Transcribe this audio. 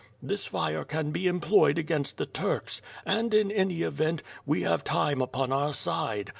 This fire can be employed against the Turks, and in any event, we have time upon our side.